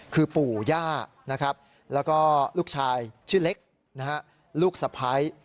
คือปู่ย่านะครับแล้วก็ลูกชายชื่อเล็กลูกสะพ้าย